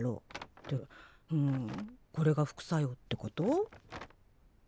ってふんこれが副作用ってこと？